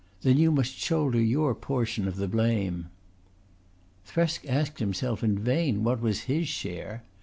Then you must shoulder your portion of the blame." Thresk asked himself in vain what was his share.